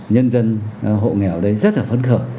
nhân dân hộ nghèo đấy rất là phấn khởi